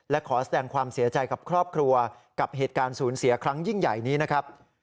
และขอแสดงความเสียใจกับครอบครัวกับเหตุการณ์สูญเสียครั้งยิ่งใหญ่นี้นะครับ